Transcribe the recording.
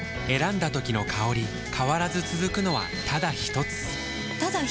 選んだ時の香り変わらず続くのはただひとつ？